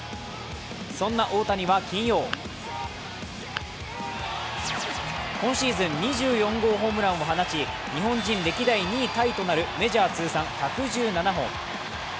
そんな大谷は金曜今シーズン２４号ホームランを放ち日本人歴代２位タイとなるメジャー通算１１７本。